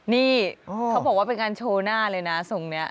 นี่เขาบอกว่าเป็นการโชว์หน้าเลยนะทรงนี้